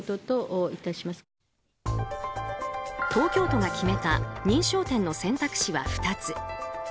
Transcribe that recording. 東京都が決めた認証店の選択肢は２つ。